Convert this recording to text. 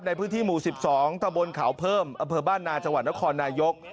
ในพื้นที่หมู่๑๒ตะบนเขาเพิ่มอำเภอบ้านนาจังหวัดนครนายก